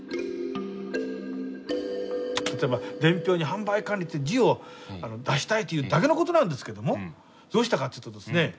例えば伝票に「販売管理」という字を出したいというだけのことなんですけどもどうしたかっていうとですね